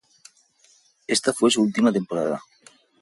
Ésta fue su última temporada.